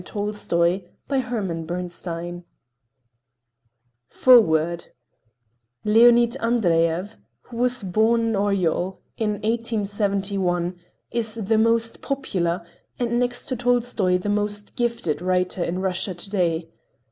Tolstoy by Herman Bernstein FOREWORD Leonid Andreyev, who was born in Oryol, in 1871, is the most popular, and next to Tolstoy, the most gifted writer in Russia to day.